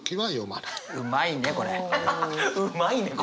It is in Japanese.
うまいねこれ。